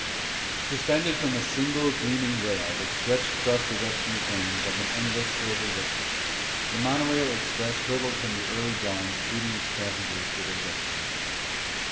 Suspended from a single gleaming rail that stretched across the western plains like an endless silver ribbon, the monorail express hurtled through the early dawn speeding its passengers to their destination.